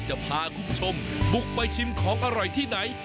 จะพาคุณผู้ชมบุกไปชิมของอร่อยที่ไหน